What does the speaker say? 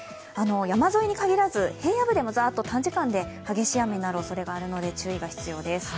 山沿いに限らず、平野部でもザーッと短時間で大雨になるおそれがあるので、注意が必要です。